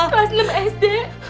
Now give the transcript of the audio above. kelas enam sd